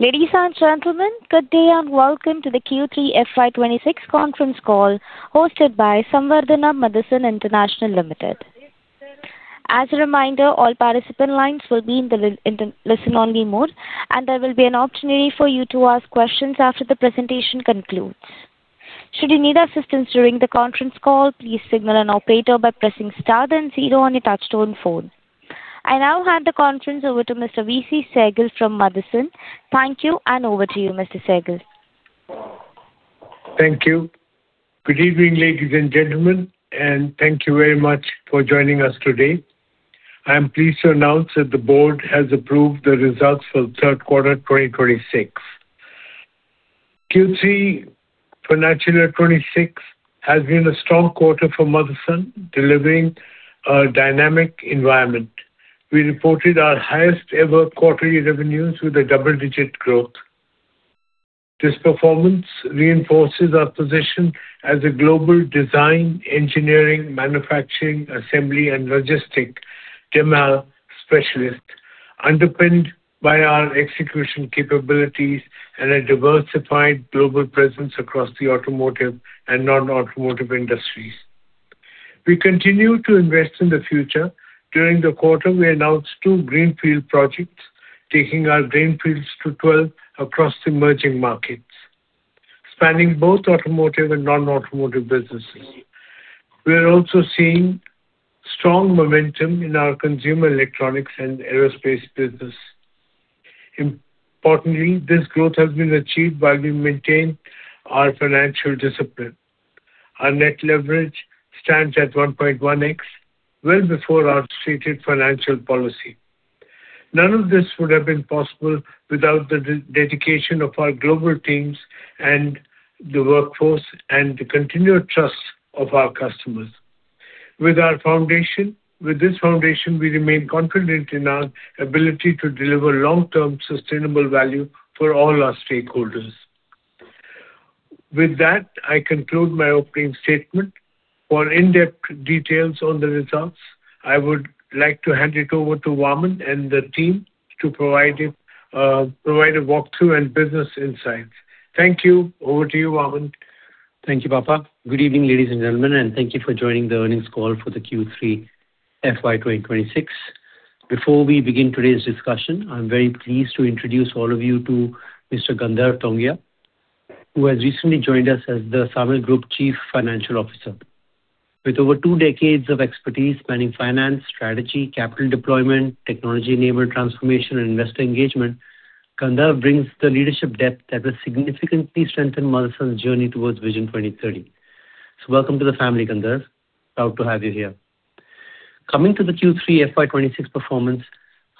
Ladies and gentlemen, good day and welcome to the Q3 FY26 conference call hosted by Samvardhana Motherson International Limited. As a reminder, all participant lines will be in the listen-only mode, and there will be an opportunity for you to ask questions after the presentation concludes. Should you need assistance during the conference call, please signal an operator by pressing star then zero on your touchtone phone. I now hand the conference over to Mr. VC Sehgal from Madison. Thank you, and over to you, Mr. Sehgal. Thank you. Good evening, ladies and gentlemen, and thank you very much for joining us today. I am pleased to announce that the board has approved the results for third quarter 2026. Q3 for natural year 2026 has been a strong quarter for Motherson, delivering a dynamic environment. We reported our highest-ever quarterly revenues with a double-digit growth. This performance reinforces our position as a global design, engineering, manufacturing, assembly, and logistics domain specialist, underpinned by our execution capabilities and a diversified global presence across the automotive and non-automotive industries. We continue to invest in the future. During the quarter, we announced two greenfield projects, taking our greenfields to 12 across emerging markets, spanning both automotive and non-automotive businesses. We are also seeing strong momentum in our consumer electronics and aerospace business. Importantly, this growth has been achieved while we maintain our financial discipline. Our net leverage stands at 1.1x, well before our stated financial policy. None of this would have been possible without the dedication of our global teams and the workforce and the continued trust of our customers. With our foundation with this foundation, we remain confident in our ability to deliver long-term sustainable value for all our stakeholders. With that, I conclude my opening statement. For in-depth details on the results, I would like to hand it over to Laksh Vaaman Sehgal and the team to provide it, provide a walkthrough and business insights. Thank you. Over to you, Laksh Vaaman Sehgal. Thank you, Papa. Good evening, ladies and gentlemen, and thank you for joining the earnings call for the Q3 FY26. Before we begin today's discussion, I'm very pleased to introduce all of you to Mr. Gandharv Tongya, who has recently joined us as the Samuel Group Chief Financial Officer. With over two decades of expertise spanning finance, strategy, capital deployment, technology-enabled transformation, and investor engagement, Gandharv brings the leadership depth that will significantly strengthen Madison's journey towards Vision 2030. Welcome to the family, Gandharv. Proud to have you here. Coming to the Q3 FY26 performance,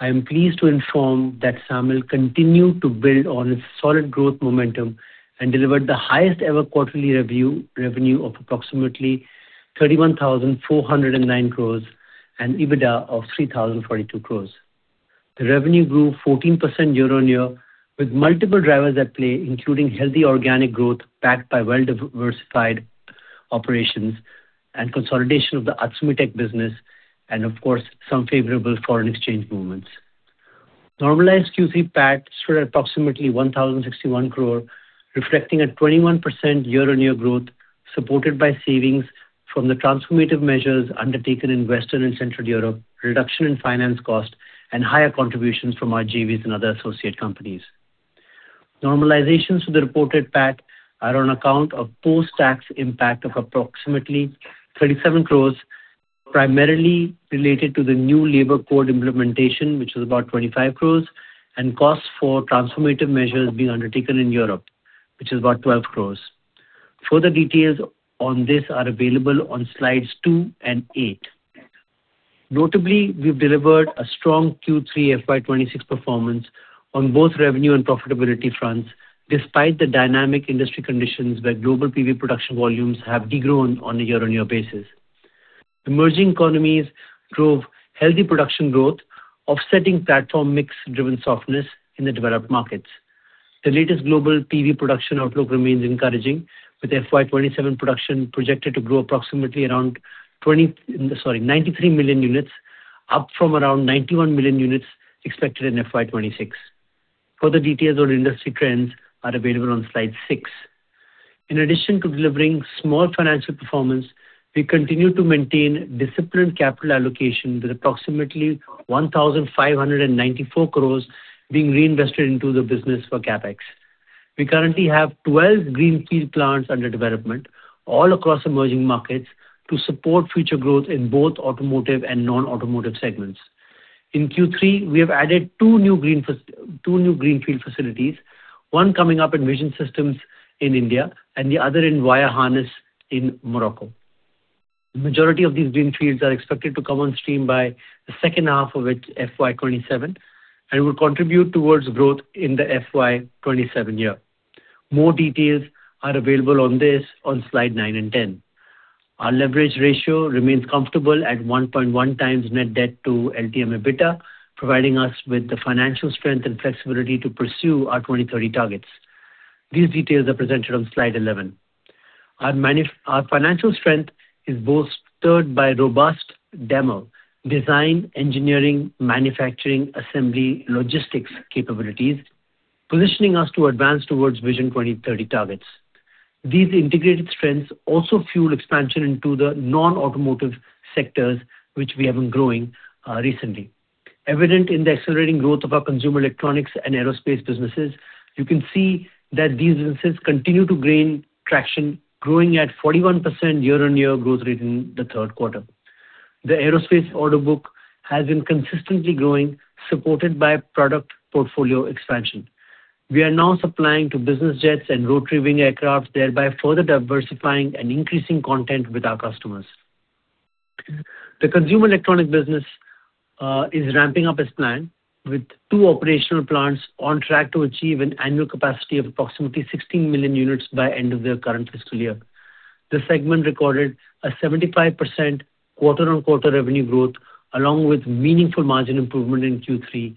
I am pleased to inform that Samuel continued to build on its solid growth momentum and delivered the highest-ever quarterly review revenue of approximately 31,409 crores and EBITDA of 3,042 crores. The revenue grew 14% year-on-year, with multiple drivers at play, including healthy organic growth backed by well-diversified operations and consolidation of the Atsumitec business, and, of course, some favorable foreign exchange movements. Normalized Q3 PAT stood at approximately 1,061 crore, reflecting a 21% year-on-year growth supported by savings from the transformative measures undertaken in Western and Central Europe, reduction in finance costs, and higher contributions from RGVs and other associate companies. Normalizations to the reported PAT are on account of post-tax impact of approximately 37 crores, primarily related to the new labor code implementation, which is about 25 crores, and costs for transformative measures being undertaken in Europe, which is about 12 crores. Further details on this are available on slides 2 and 8. Notably, we've delivered a strong Q3 FY26 performance on both revenue and profitability fronts, despite the dynamic industry conditions where global PV production volumes have degrown on a year-on-year basis. Emerging economies drove healthy production growth, offsetting platform mix-driven softness in the developed markets. The latest global PV production outlook remains encouraging, with FY27 production projected to grow approximately around 20 sorry, 93 million units, up from around 91 million units expected in FY26. Further details on industry trends are available on slide 6. In addition to delivering small financial performance, we continue to maintain disciplined capital allocation, with approximately 1,594 crores being reinvested into the business for CapEx. We currently have 12 greenfield plants under development, all across emerging markets, to support future growth in both automotive and non-automotive segments. In Q3, we have added two new greenfield facilities, one coming up in Vision Systems in India and the other in Wiring Harness in Morocco. The majority of these greenfields are expected to come on stream by the second half of FY27, and will contribute towards growth in the FY27 year. More details are available on this on slide 9 and 10. Our leverage ratio remains comfortable at 1.1 times net debt to LTM EBITDA, providing us with the financial strength and flexibility to pursue our 2030 targets. These details are presented on slide 11. Our financial strength is bolstered by robust end-to-end design, engineering, manufacturing, assembly, logistics capabilities, positioning us to advance towards Vision 2030 targets. These integrated strengths also fuel expansion into the non-automotive sectors, which we have been growing, recently. Evident in the accelerating growth of our consumer electronics and aerospace businesses, you can see that these businesses continue to gain traction, growing at 41% year-on-year growth rate in the third quarter. The aerospace order book has been consistently growing, supported by product portfolio expansion. We are now supplying to business jets and rotary wing aircraft, thereby further diversifying and increasing content with our customers. The consumer electronics business is ramping up as planned, with two operational plants on track to achieve an annual capacity of approximately 16 million units by the end of their current fiscal year. The segment recorded a 75% quarter-on-quarter revenue growth, along with meaningful margin improvement in Q3,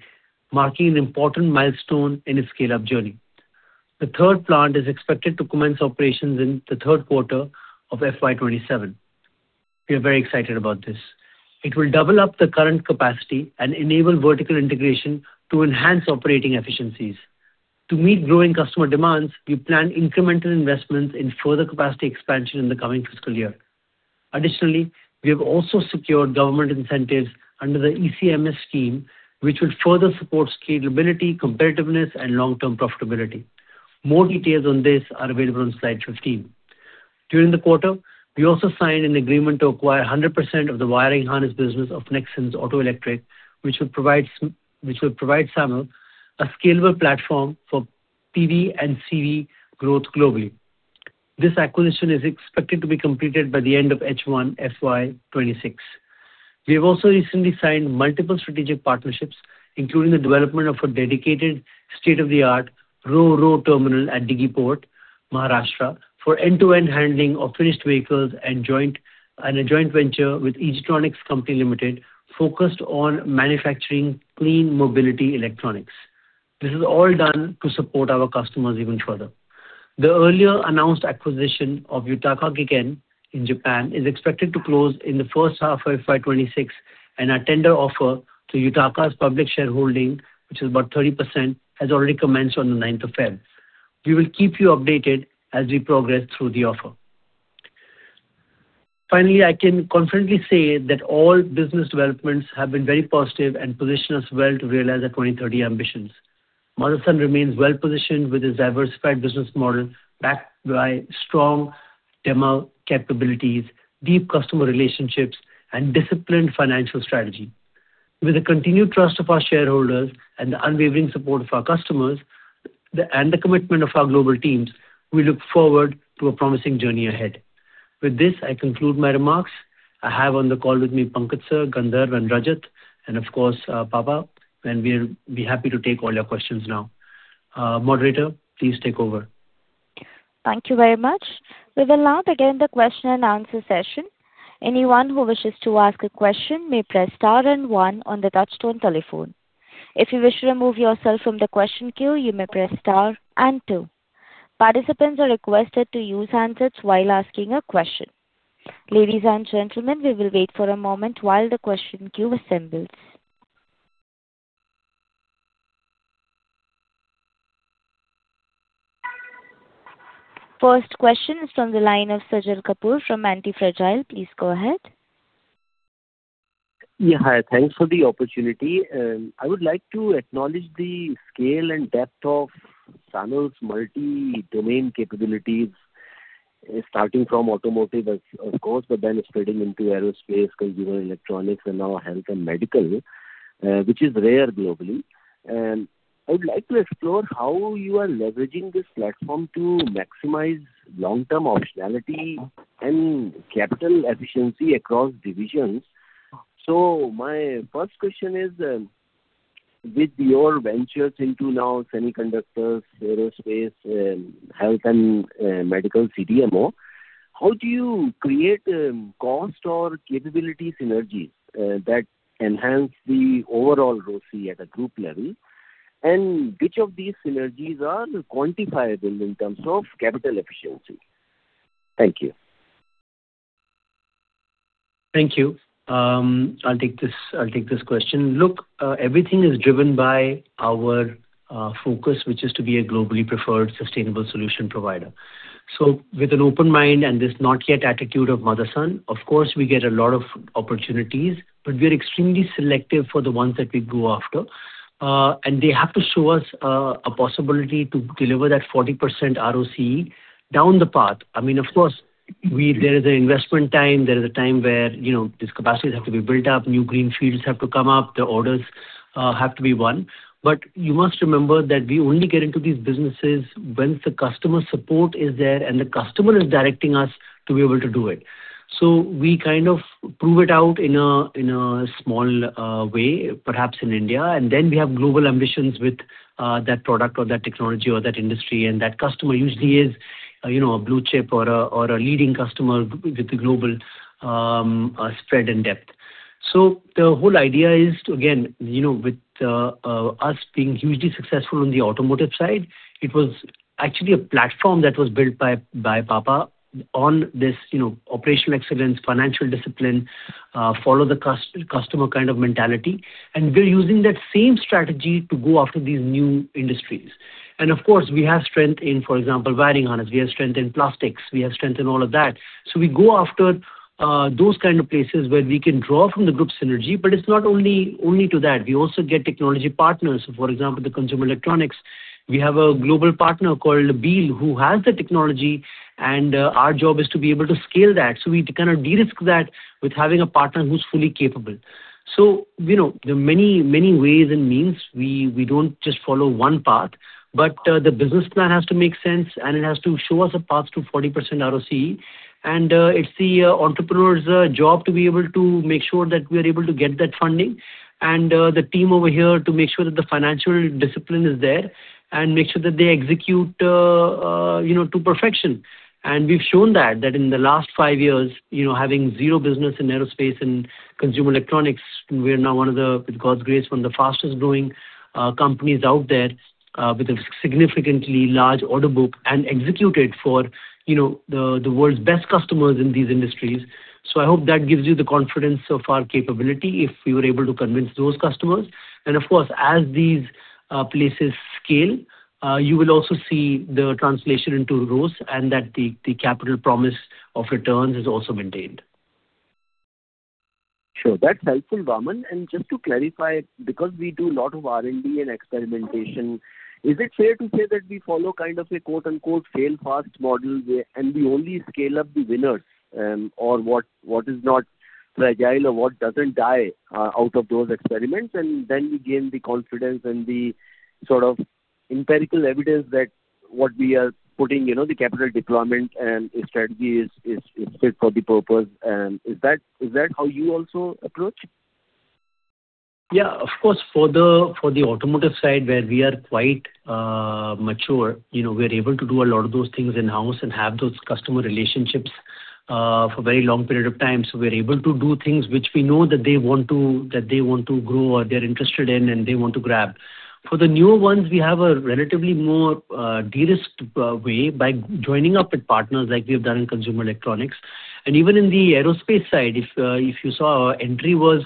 marking an important milestone in its scale-up journey. The third plant is expected to commence operations in the third quarter of FY 2027. We are very excited about this. It will double up the current capacity and enable vertical integration to enhance operating efficiencies. To meet growing customer demands, we plan incremental investments in further capacity expansion in the coming fiscal year. Additionally, we have also secured government incentives under the ECMS scheme, which will further support scalability, competitiveness, and long-term profitability. More details on this are available on slide 15. During the quarter, we also signed an agreement to acquire 100% of the wiring harness business of Nexans Autoelectric, which will provide SM which will provide Samuel a scalable platform for PV and CV growth globally. This acquisition is expected to be completed by the end of H1 FY26. We have also recently signed multiple strategic partnerships, including the development of a dedicated state-of-the-art Ro-Ro terminal at Dighi Port, Maharashtra, for end-to-end handling of finished vehicles and a joint venture with Egtronics Co., Ltd., focused on manufacturing clean mobility electronics. This is all done to support our customers even further. The earlier announced acquisition of Yutaka Giken, in Japan, is expected to close in the first half of FY26, and our tender offer to Yutaka's public shareholding, which is about 30%, has already commenced on the 9th of February. We will keep you updated as we progress through the offer. Finally, I can confidently say that all business developments have been very positive and position us well to realize our 2030 ambitions. Madison remains well-positioned with its diversified business model backed by strong domaincapabilities, deep customer relationships, and disciplined financial strategy. With the continued trust of our shareholders and the unwavering support of our customers, and the commitment of our global teams, we look forward to a promising journey ahead. With this, I conclude my remarks. I have on the call with me Pankaj Mital, Gandharv, and Rajat, and, of course, Papa, and we're happy to take all your questions now. Moderator, please take over. Thank you very much. We've allowed, again, the question-and-answer session. Anyone who wishes to ask a question may press star and 1 on the touch-tone telephone. If you wish to remove yourself from the question queue, you may press star and 2. Participants are requested to use handsets while asking a question. Ladies and gentlemen, we will wait for a moment while the question queue assembles. First question is from the line of Sajal Kapoor from Antifragile. Please go ahead. Yeah, hi. Thanks for the opportunity. I would like to acknowledge the scale and depth of Samuel's multi-domain capabilities, starting from automotive, as, of course, but then spreading into aerospace, consumer electronics, and now health and medical, which is rare globally. I would like to explore how you are leveraging this platform to maximize long-term optionality and capital efficiency across divisions. So my first question is, with your ventures into now semiconductors, aerospace, health and medical CDMO, how do you create cost or capability synergies that enhance the overall ROCE at a group level, and which of these synergies are quantifiable in terms of capital efficiency? Thank you. Thank you. I'll take this. I'll take this question. Look, everything is driven by our focus, which is to be a globally preferred sustainable solution provider. So with an open mind and this not-yet attitude of Madison, of course, we get a lot of opportunities, but we are extremely selective for the ones that we go after. And they have to show us a possibility to deliver that 40% ROCE down the path. I mean, of course, we there is an investment time. There is a time where, you know, these capacities have to be built up. New greenfields have to come up. The orders have to be won. But you must remember that we only get into these businesses once the customer support is there and the customer is directing us to be able to do it. So we kind of prove it out in a small way, perhaps in India. And then we have global ambitions with that product or that technology or that industry. And that customer usually is, you know, a blue chip or a leading customer with the global spread and depth. So the whole idea is to again, you know, with us being hugely successful on the automotive side, it was actually a platform that was built by Papa on this, you know, operational excellence, financial discipline, follow-the-customer kind of mentality. And we're using that same strategy to go after these new industries. And, of course, we have strength in, for example, wiring harness. We have strength in plastics. We have strength in all of that. So we go after those kind of places where we can draw from the group synergy. But it's not only to that. We also get technology partners. For example, the Consumer Electronics, we have a global partner called BIEL who has the technology. And our job is to be able to scale that. So we kind of de-risk that with having a partner who's fully capable. So, you know, there are many, many ways and means. We don't just follow one path. But the business plan has to make sense, and it has to show us a path to 40% ROCE. And it's the entrepreneur's job to be able to make sure that we are able to get that funding and the team over here to make sure that the financial discipline is there and make sure that they execute, you know, to perfection. We've shown that in the last 5 years, you know, having 0 business in aerospace and consumer electronics, we are now one of the, with God's grace, one of the fastest-growing companies out there, with a significantly large order book and executed for, you know, the world's best customers in these industries. So I hope that gives you the confidence of our capability if we were able to convince those customers. Of course, as these places scale, you will also see the translation into ROCE and that the capital promise of returns is also maintained. Sure. That's helpful, Vaaman. And just to clarify, because we do a lot of R&D and experimentation, is it fair to say that we follow kind of a quote-unquote "fail-fast" model where we only scale up the winners, or what is not fragile or what doesn't die, out of those experiments, and then we gain the confidence and the sort of empirical evidence that what we are putting, you know, the capital deployment and strategy is, is, is fit for the purpose? Is that how you also approach? Yeah. Of course, for the automotive side, where we are quite mature, you know, we are able to do a lot of those things in-house and have those customer relationships for a very long period of time. So we are able to do things which we know that they want to grow or they're interested in and they want to grab. For the newer ones, we have a relatively more de-risked way by joining up with partners like we have done in consumer electronics. And even in the aerospace side, if you saw, our entry was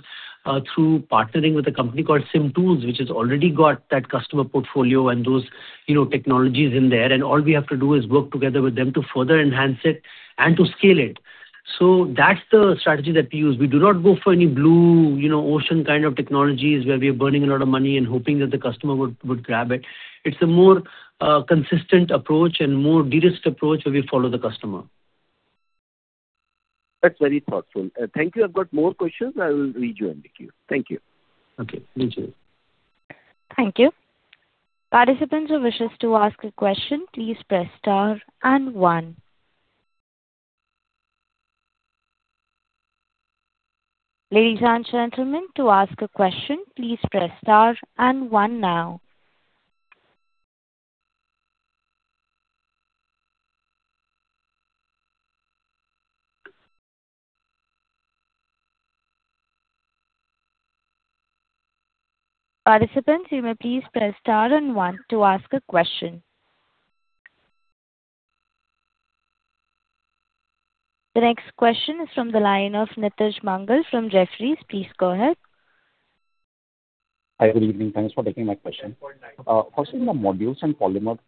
through partnering with a company called CIM Tools, which has already got that customer portfolio and those, you know, technologies in there. And all we have to do is work together with them to further enhance it and to scale it. So that's the strategy that we use. We do not go for any blue, you know, ocean kind of technologies where we are burning a lot of money and hoping that the customer would grab it. It's a more consistent approach and more de-risked approach where we follow the customer. That's very thoughtful. Thank you. I've got more questions. I will read you and give you. Thank you. Okay. You too. Thank you. Participants who wishes to ask a question, please press star and 1. Ladies and gentlemen, to ask a question, please press star and 1 now. Participants, you may please press star and 1 to ask a question. The next question is from the line of Nitish Mangal from Jefferies. Please go ahead. Hi. Good evening. Thanks for taking my question. Firstly, in the Modules and Polymers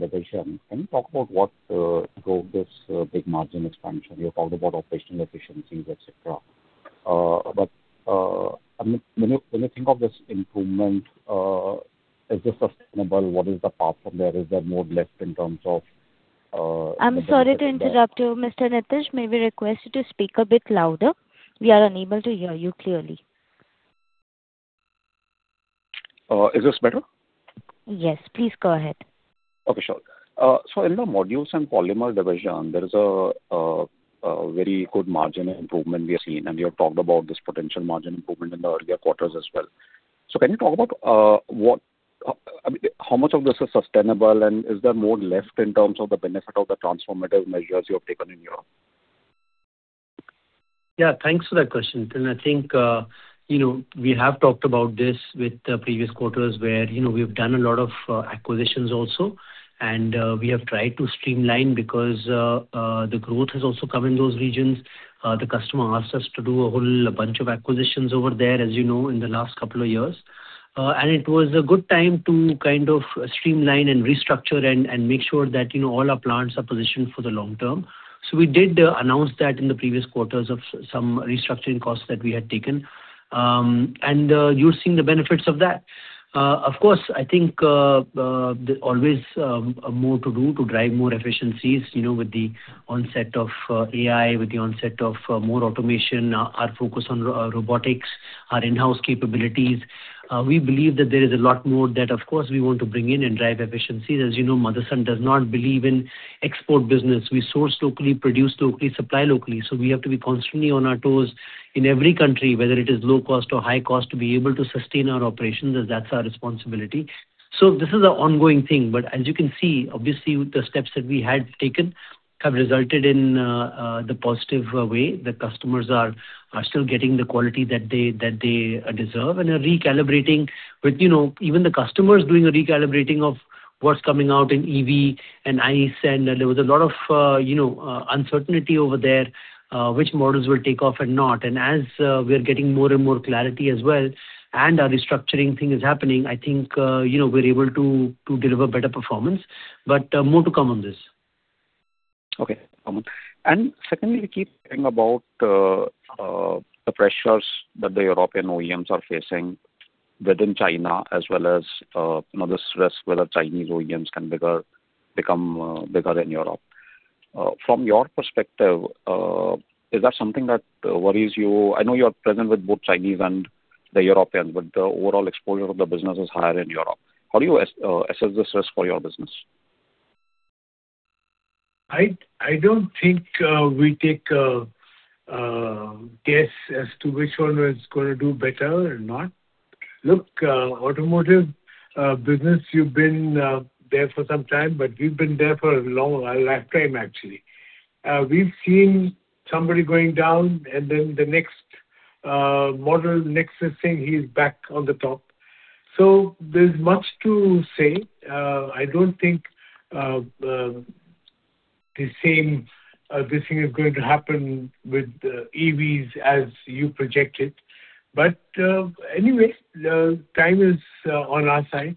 Division, can you talk about what drove this big margin expansion? You talked about operational efficiencies, etc., but I mean, when you think of this improvement, is this sustainable? What is the path from there? Is there more left in terms of the. I'm sorry to interrupt you, Mr. Nitish. May we request you to speak a bit louder? We are unable to hear you clearly. is this better? Yes. Please go ahead. Okay. Sure. So in the modules and polymer division, there is a very good margin improvement we have seen. And you have talked about this potential margin improvement in the earlier quarters as well. So can you talk about, what I mean, how much of this is sustainable, and is there more left in terms of the benefit of the transformative measures you have taken in Europe? Yeah. Thanks for that question. And I think, you know, we have talked about this with the previous quarters where, you know, we have done a lot of acquisitions also. And we have tried to streamline because the growth has also come in those regions. The customer asked us to do a whole bunch of acquisitions over there, as you know, in the last couple of years. And it was a good time to kind of streamline and restructure and make sure that, you know, all our plants are positioned for the long term. So we did announce that in the previous quarters of some restructuring costs that we had taken. And you're seeing the benefits of that. Of course, I think, there's always more to do to drive more efficiencies, you know, with the onset of AI, with the onset of more automation, our focus on robotics, our in-house capabilities. We believe that there is a lot more that, of course, we want to bring in and drive efficiencies. As you know, Madison does not believe in export business. We source locally, produce locally, supply locally. So we have to be constantly on our toes in every country, whether it is low cost or high cost, to be able to sustain our operations, as that's our responsibility. So this is an ongoing thing. But as you can see, obviously, the steps that we had taken have resulted in the positive way. The customers are still getting the quality that they that they deserve. They're recalibrating with, you know, even the customers doing a recalibrating of what's coming out in EV and ICE. There was a lot of, you know, uncertainty over there, which models will take off and not. As we are getting more and more clarity as well and our restructuring thing is happening, I think, you know, we're able to deliver better performance. But more to come on this. Okay. Vaaman. Secondly, we keep hearing about the pressures that the European OEMs are facing within China as well as, you know, this risk whether Chinese OEMs can become bigger in Europe. From your perspective, is that something that worries you? I know you're present with both Chinese and the Europeans, but the overall exposure of the business is higher in Europe. How do you assess this risk for your business? I don't think we take guesses as to which one is going to do better or not. Look, automotive business, you've been there for some time, but we've been there for a long lifetime, actually. We've seen somebody going down, and then the next model nexus thing, he's back on the top. So there's much to say. I don't think the same thing is going to happen with EVs as you projected. But anyway, the time is on our side.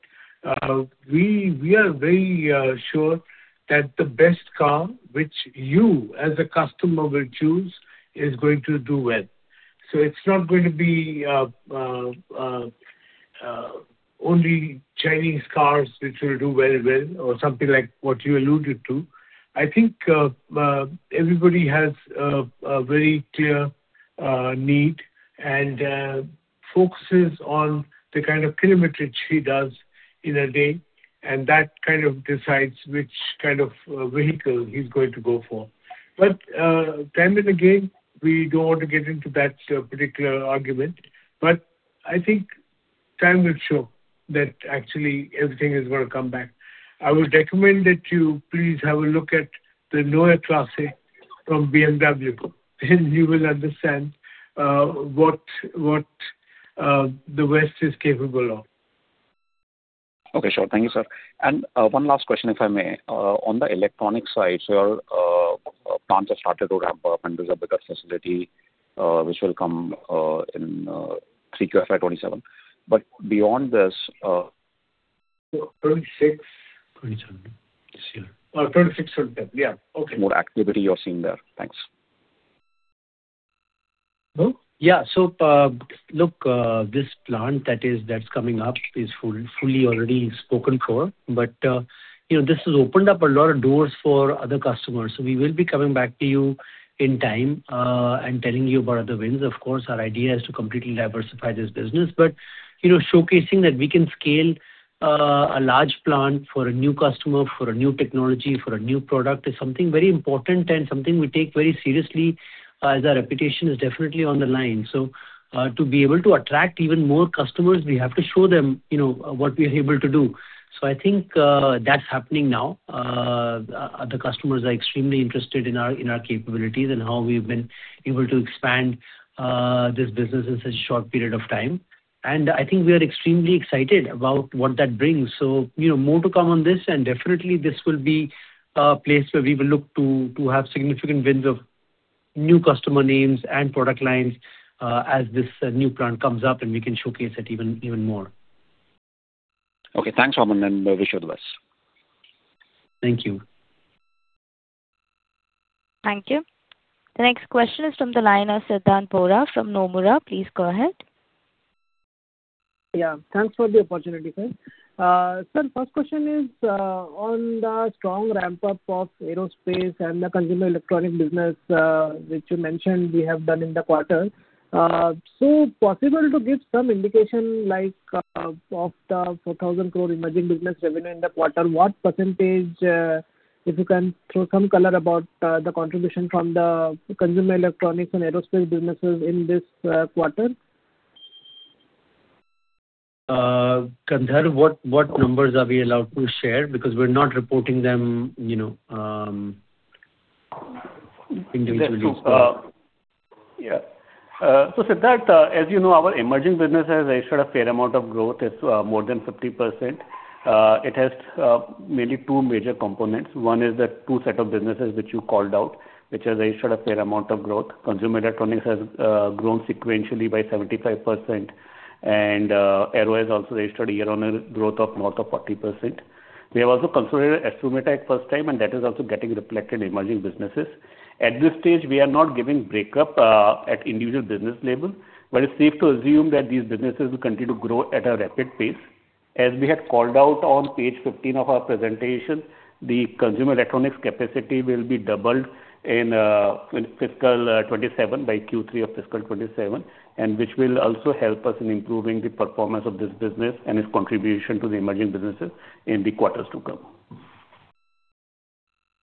We are very sure that the best car which you as a customer will choose is going to do well. So it's not going to be only Chinese cars which will do very well or something like what you alluded to. I think everybody has a very clear need and focuses on the kind of kilometrage he does in a day. And that kind of decides which kind of vehicle he's going to go for. But time and again, we don't want to get into that particular argument. But I think time will show that actually everything is going to come back. I would recommend that you please have a look at the Neue Klasse from BMW. Then you will understand what the West is capable of. Okay. Sure. Thank you, sir. And one last question, if I may. On the electronic side, so your plants have started to ramp up, and there's a bigger facility, which will come in 3Q FY2027. But beyond this, So 26. 27 this year. Or 26 on 10th. Yeah. Okay. More activity you're seeing there. Thanks. No? Yeah. So, look, this plant that's coming up is fully already spoken for. But, you know, this has opened up a lot of doors for other customers. So we will be coming back to you in time, and telling you about other wins. Of course, our idea is to completely diversify this business. But, you know, showcasing that we can scale, a large plant for a new customer, for a new technology, for a new product is something very important and something we take very seriously, as our reputation is definitely on the line. So, to be able to attract even more customers, we have to show them, you know, what we are able to do. So I think, that's happening now. The customers are extremely interested in our capabilities and how we've been able to expand this business in such a short period of time. I think we are extremely excited about what that brings. You know, more to come on this. And definitely, this will be a place where we will look to have significant wins of new customer names and product lines, as this new plant comes up, and we can showcase it even more. Okay. Thanks, Vaaman. Wish you the best. Thank you. Thank you. The next question is from the line of Siddhartha Bera from Nomura. Please go ahead. Yeah. Thanks for the opportunity, sir. Sir, first question is on the strong ramp-up of aerospace and the consumer electronics business, which you mentioned we have done in the quarter. So possible to give some indication like, of the 4,000-crore emerging business revenue in the quarter, what percentage, if you can throw some color about, the contribution from the consumer electronics and aerospace businesses in this quarter? Gandhar, what, what numbers are we allowed to share? Because we're not reporting them, you know, individually. That's true. Yeah. So, Siddhartha, as you know, our emerging business has registered a fair amount of growth. It's more than 50%. It has mainly two major components. One is the two set of businesses which you called out, which has registered a fair amount of growth. Consumer Electronics has grown sequentially by 75%. And aero has also registered a year-on-year growth of north of 40%. We have also consolidated Atsumitec for the first time, and that is also getting reflected in emerging businesses. At this stage, we are not giving break-up at individual business level. But it's safe to assume that these businesses will continue to grow at a rapid pace. As we had called out on page 15 of our presentation, the Consumer Electronics capacity will be doubled in fiscal 2027 by Q3 of fiscal 2027, and which will also help us in improving the performance of this business and its contribution to the emerging businesses in the quarters to come.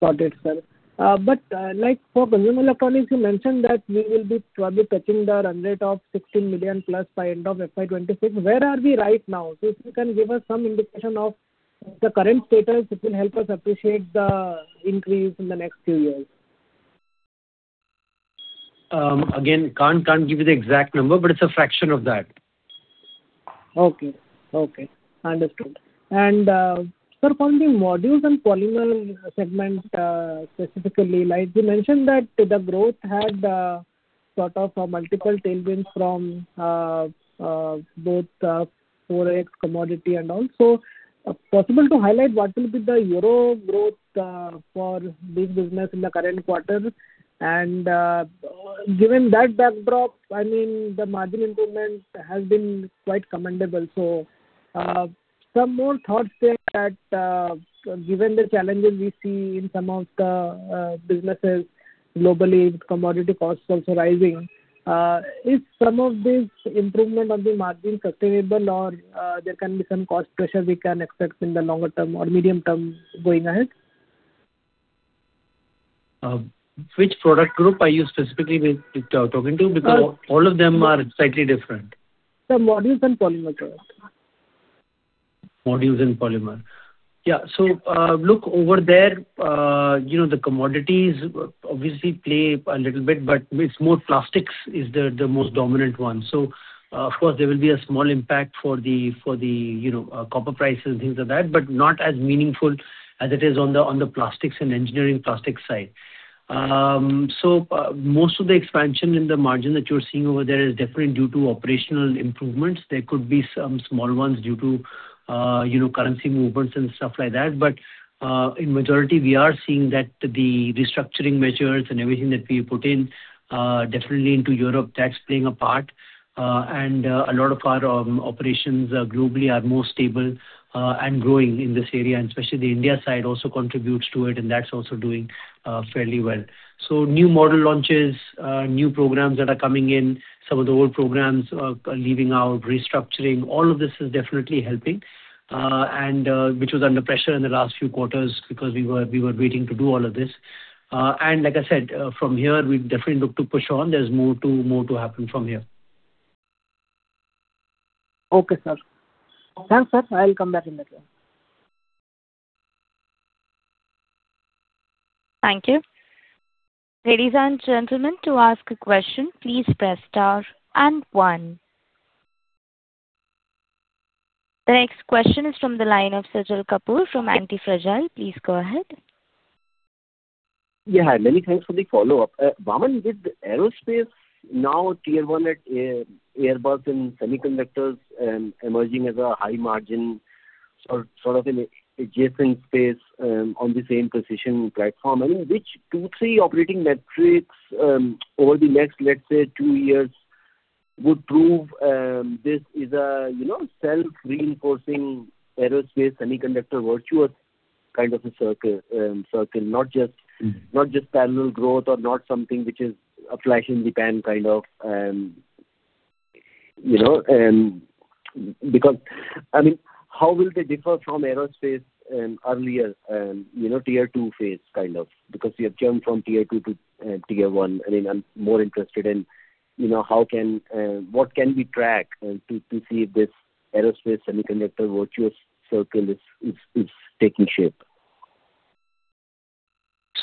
Got it, sir. But, like for consumer electronics, you mentioned that we will be probably touching the run rate of 16 million-plus by the end of FY 2026. Where are we right now? So if you can give us some indication of the current status, it will help us appreciate the increase in the next few years. Again, can't give you the exact number, but it's a fraction of that. Okay. Okay. Understood. And, sir, from the modules and polymer segment, specifically, like you mentioned that the growth had sort of multiple tailwinds from both forex commodity and all. So possible to highlight what will be the year-over-year growth for this business in the current quarter? And, given that backdrop, I mean, the margin improvement has been quite commendable. So, some more thoughts there that, given the challenges we see in some of the businesses globally with commodity costs also rising, is some of this improvement on the margin sustainable, or there can be some cost pressure we can expect in the longer term or medium term going ahead? Which product group are you specifically talking to? Because all of them are slightly different. The modules and polymer product. Modules and polymer. Yeah. So, look, over there, you know, the commodities obviously play a little bit, but it's more plastics is the, the most dominant one. So, of course, there will be a small impact for the, you know, copper prices and things like that, but not as meaningful as it is on the plastics and engineering plastics side. So, most of the expansion in the margin that you're seeing over there is definitely due to operational improvements. There could be some small ones due to, you know, currency movements and stuff like that. But, in majority, we are seeing that the restructuring measures and everything that we put in, definitely into Europe, that's playing a part. And, a lot of our operations, globally are more stable, and growing in this area. And especially the India side also contributes to it, and that's also doing fairly well. So new model launches, new programs that are coming in, some of the old programs leaving out, restructuring, all of this is definitely helping, which was under pressure in the last few quarters because we were waiting to do all of this. And like I said, from here, we definitely look to push on. There's more to happen from here. Okay, sir. Thanks, sir. I'll come back in a bit. Thank you. Ladies and gentlemen, to ask a question, please press star and one. The next question is from the line of Sajal Kapoor from Antifragile. Please go ahead. Yeah. Hi. Many thanks for the follow-up. Vaaman, with aerospace now tier one at Airbus and semiconductors emerging as a high margin sort of adjacent space, on the same precision platform. I mean, which two, three operating metrics, over the next, let's say, two years would prove this is a, you know, self-reinforcing aerospace semiconductor virtuous kind of a circle, not just parallel growth or not something which is a flash-in-the-pan kind of, you know, because I mean, how will they differ from aerospace earlier, you know, tier two phase kind of? Because we have jumped from tier two to tier one. I mean, I'm more interested in, you know, how can, what can we track to see if this aerospace semiconductor virtuous circle is taking shape?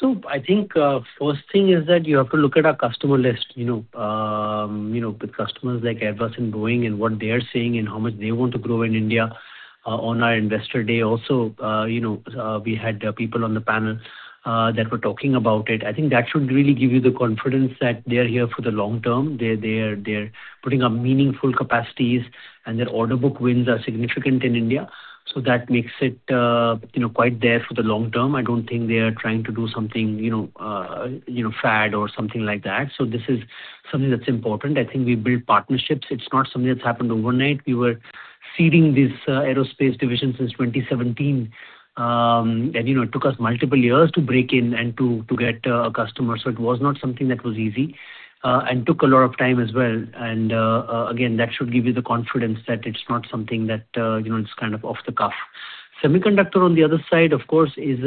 So I think, first thing is that you have to look at our customer list, you know, with customers like Airbus and Boeing and what they are saying and how much they want to grow in India, on our investor day also. You know, we had people on the panel that were talking about it. I think that should really give you the confidence that they're here for the long term. They're putting up meaningful capacities, and their order book wins are significant in India. So that makes it, you know, quite there for the long term. I don't think they are trying to do something, you know, fad or something like that. So this is something that's important. I think we built partnerships. It's not something that's happened overnight. We were seeding this aerospace division since 2017. You know, it took us multiple years to break in and to get a customer. So it was not something that was easy, and took a lot of time as well. And, again, that should give you the confidence that it's not something that, you know, it's kind of off the cuff. Semiconductor, on the other side, of course, is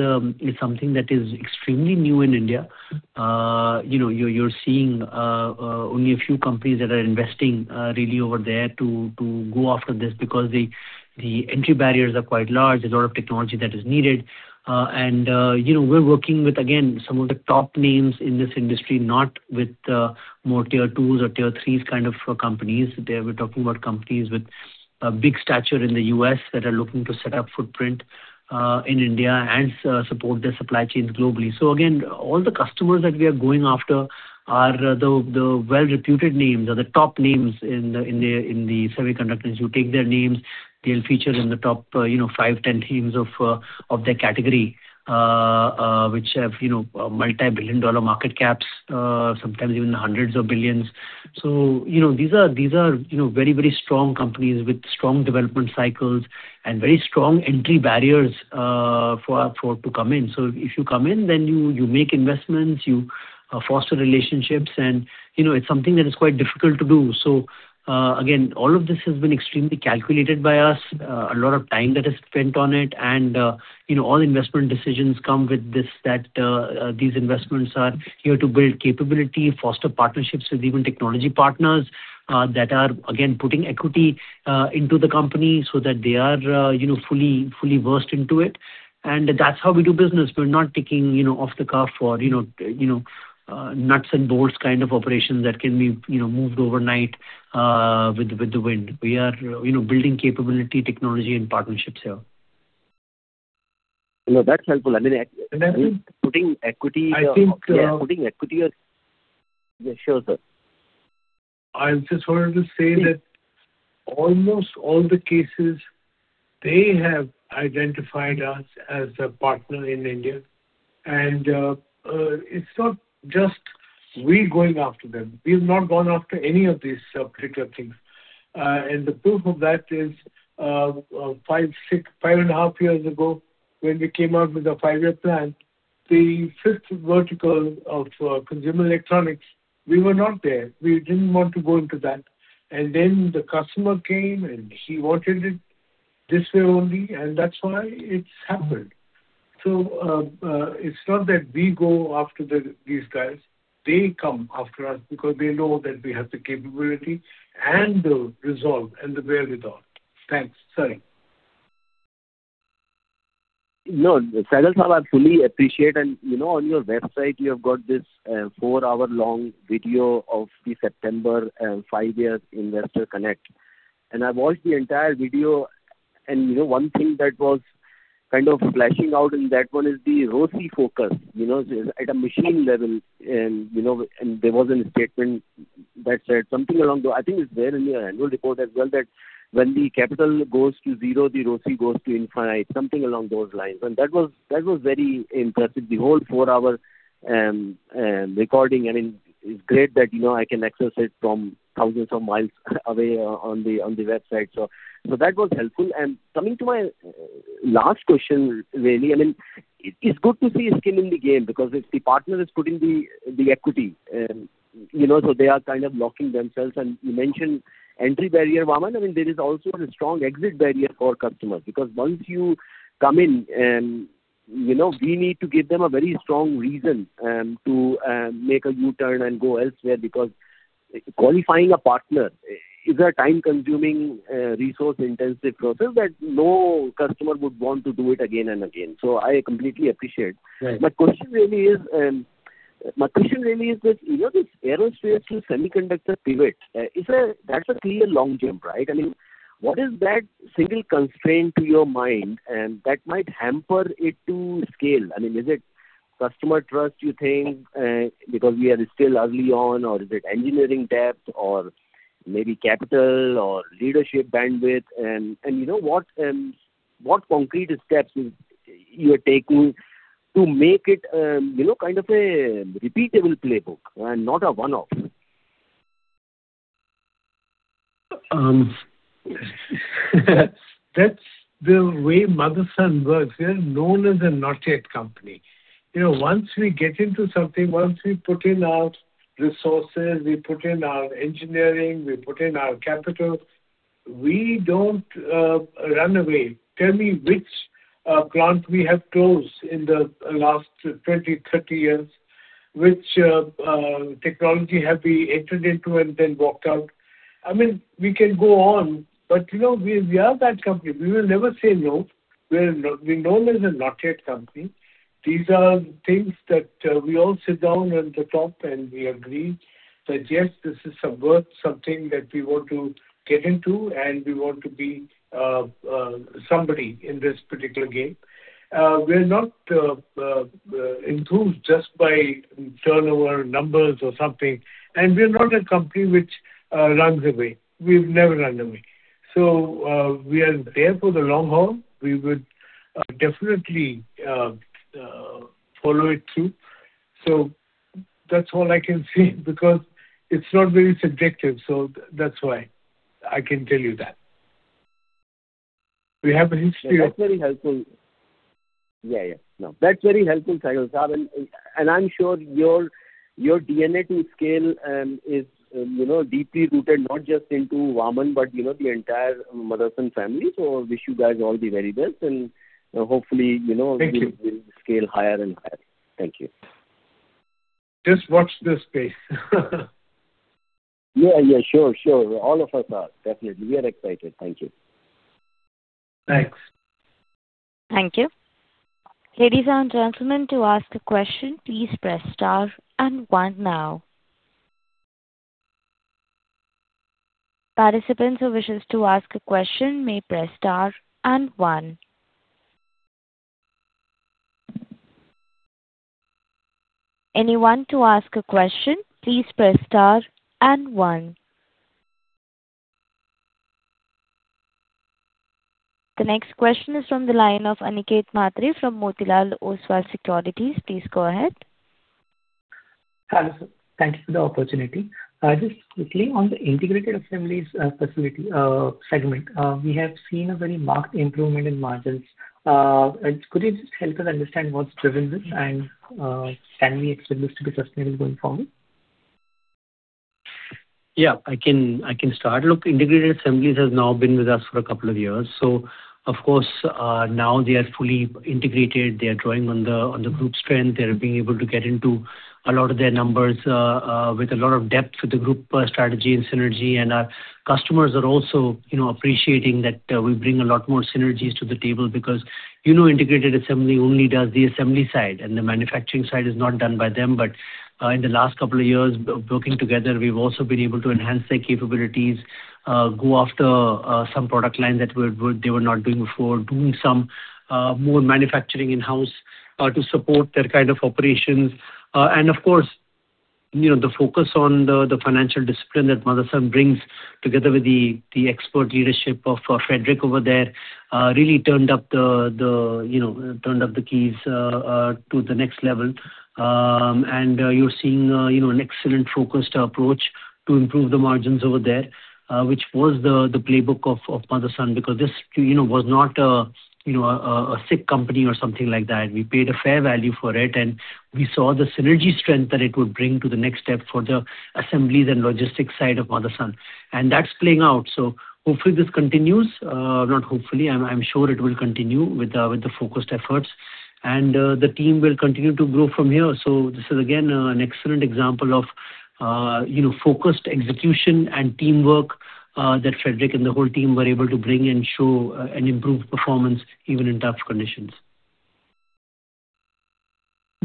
something that is extremely new in India. You know, you're seeing only a few companies that are investing really over there to go after this because the entry barriers are quite large. There's a lot of technology that is needed. And, you know, we're working with, again, some of the top names in this industry, not with more tier twos or tier threes kind of companies. We're talking about companies with a big stature in the U.S. that are looking to set up footprint in India and support their supply chains globally. So again, all the customers that we are going after are the well-reputed names or the top names in the semiconductors. You take their names. They'll feature in the top, you know, 5, 10 teams of their category, which have, you know, multi-billion-dollar market caps, sometimes even the hundreds of billions. So, you know, these are, you know, very, very strong companies with strong development cycles and very strong entry barriers to come in. So if you come in, then you make investments. You foster relationships. And, you know, it's something that is quite difficult to do. So, again, all of this has been extremely calculated by us, a lot of time that is spent on it. And, you know, all investment decisions come with this that, these investments are here to build capability, foster partnerships with even technology partners, that are, again, putting equity into the company so that they are, you know, fully, fully versed into it. And that's how we do business. We're not taking, you know, off the cuff or, you know, you know, nuts and bolts kind of operations that can be, you know, moved overnight, with, with the wind. We are, you know, building capability, technology, and partnerships here. No, that's helpful. I mean, putting equity. I think. Yeah. Putting equity or yeah. Sure, sir. I just wanted to say that almost all the cases, they have identified us as a partner in India. It's not just we going after them. We have not gone after any of these particular things. The proof of that is 5 or 6, 5.5 years ago when we came out with a 5-year plan, the fifth vertical of Consumer Electronics, we were not there. We didn't want to go into that. And then the customer came, and he wanted it this way only. And that's why it's happened. So, it's not that we go after these guys. They come after us because they know that we have the capability and the resolve and the wherewithal. Thanks. Sorry. No. Sajal Sahab, I fully appreciate and, you know, on your website, you have got this four-hour-long video of the September five-year investor connect. I've watched the entire video. You know, one thing that was kind of flashing out in that one is the ROCE focus, you know, at a machine level. You know, and there was a statement that said something along the—I think it's there in the annual report as well—that when the capital goes to zero, the ROCE goes to infinite, something along those lines. That was that was very impressive. The whole four-hour recording, I mean, is great that, you know, I can access it from thousands of miles away on the on the website. So, so that was helpful. Coming to my last question, really, I mean, it is good to see a skin in the game because if the partner is putting the, the equity, you know, so they are kind of locking themselves. And you mentioned entry barrier, Vaaman. I mean, there is also a strong exit barrier for customers because once you come in, you know, we need to give them a very strong reason to make a U-turn and go elsewhere because qualifying a partner is a time-consuming, resource-intensive process that no customer would want to do it again and again. So I completely appreciate. My question really is, my question really is that, you know, this aerospace to semiconductor pivot is, that's a clear long jump, right? I mean, what is that single constraint to your mind that might hamper it to scale? I mean, is it customer trust, you think, because we are still early on, or is it engineering depth or maybe capital or leadership bandwidth? And, and you know, what, what concrete steps you are taking to make it, you know, kind of a repeatable playbook and not a one-off? That's the way Motherson works. We are known as a not yet company. You know, once we get into something, once we put in our resources, we put in our engineering, we put in our capital, we don't run away. Tell me which plant we have closed in the last 20, 30 years, which technology have we entered into and then walked out. I mean, we can go on. But you know, we are that company. We will never say no. We're not we're known as a not yet company. These are things that we all sit down at the top, and we agree that yes, this is some worth something that we want to get into, and we want to be somebody in this particular game. We're not enthused just by turnover numbers or something. We're not a company which runs away. We've never run away. We are there for the long haul. We would, definitely, follow it through. That's all I can say because it's not very subjective. That's why I can tell you that. We have a history of. That's very helpful. Yeah, yeah. No. That's very helpful, Sajal Sahab. And I'm sure your DNA to scale is, you know, deeply rooted not just into Vaaman, but, you know, the entire Motherson family. So I wish you guys all the very best. And hopefully, you know. Thank you. We will scale higher and higher. Thank you. Just watch this space. Yeah, yeah. Sure, sure. All of us are. Definitely. We are excited. Thank you. Thanks. Thank you. Ladies and gentlemen, to ask a question, please press star and one now. Participants who wishes to ask a question may press star and one. Anyone to ask a question, please press star and one. The next question is from the line of Aniket Mhatre from Motilal Oswal Financial Services. Please go ahead. Hi, listen. Thank you for the opportunity. Just quickly on the Integrated Assemblies facility segment, we have seen a very marked improvement in margins. Could you just help us understand what's driven this, and can we expect this to be sustainable going forward? Yeah. I can I can start. Look, integrated assemblies has now been with us for a couple of years. So, of course, now they are fully integrated. They are drawing on the group strength. They are being able to get into a lot of their numbers, with a lot of depth with the group, strategy and synergy. And our customers are also, you know, appreciating that we bring a lot more synergies to the table because, you know, integrated assembly only does the assembly side, and the manufacturing side is not done by them. But, in the last couple of years working together, we've also been able to enhance their capabilities, go after some product lines that they were not doing before, doing some more manufacturing in-house, to support their kind of operations. Of course, you know, the focus on the financial discipline that Motherson brings together with the expert leadership of Frederick over there really turned up the keys to the next level. You're seeing, you know, an excellent focused approach to improve the margins over there, which was the playbook of Motherson because this, you know, was not, you know, a sick company or something like that. We paid a fair value for it. We saw the synergy strength that it would bring to the next step for the assemblies and logistics side of Motherson. That's playing out. So hopefully, this continues. Not hopefully. I'm sure it will continue with the focused efforts. The team will continue to grow from here. So this is, again, an excellent example of, you know, focused execution and teamwork, that Frédéric and the whole team were able to bring and show, and improve performance even in tough conditions.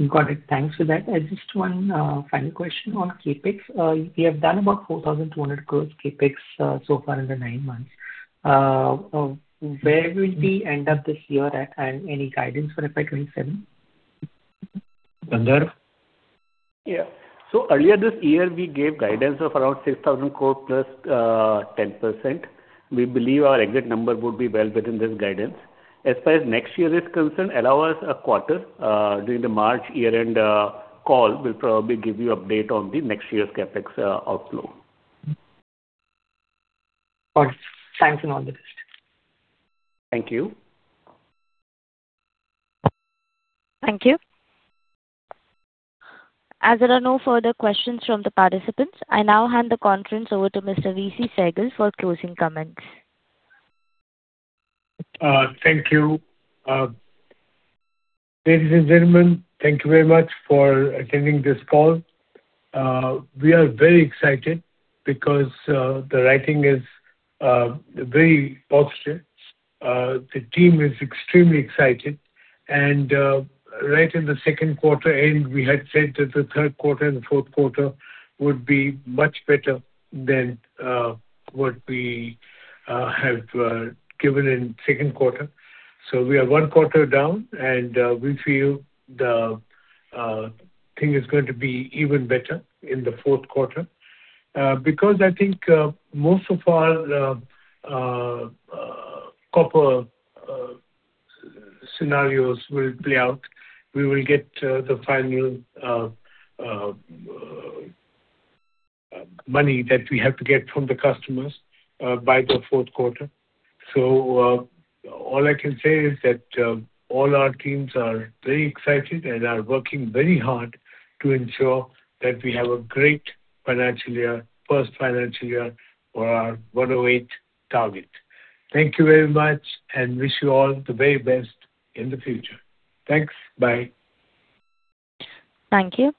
Got it. Thanks for that. I just want, final question on CapEx. We have done about 4,200 crores CapEx, so far in the nine months. Where will we end up this year at and any guidance for FY27? Vandharv? Yeah. So earlier this year, we gave guidance of around 6,000 crore plus 10%. We believe our exit number would be well within this guidance. As far as next year is concerned, allow us a quarter. During the March year-end call, we'll probably give you update on the next year's CapEx outflow. Got it. Thanks and all the best. Thank you. Thank you. As there are no further questions from the participants, I now hand the conference over to Mr. VC Sehgal for closing comments. Thank you. Ladies and gentlemen, thank you very much for attending this call. We are very excited because the wiring is very positive. The team is extremely excited. Right at the end of the second quarter, we had said that the third quarter and the fourth quarter would be much better than what we have given in second quarter. So we are one quarter down. We feel the thing is going to be even better in the fourth quarter because I think most of our copper scenarios will play out. We will get the final money that we have to get from the customers by the fourth quarter. So all I can say is that all our teams are very excited and are working very hard to ensure that we have a great financial year, first financial year for our 108 target. Thank you very much and wish you all the very best in the future. Thanks. Bye. Thank you.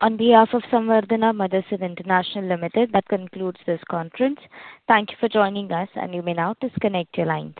On behalf of Samvardhana Motherson International Limited, that concludes this conference. Thank you for joining us. You may now disconnect your lines.